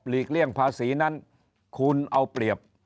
เลี่ยงภาษีนั้นคุณเอาเปรียบ